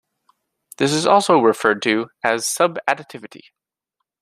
This is also referred to as subadditivity.